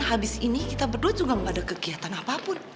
habis ini kita berdua juga nggak ada kegiatan apapun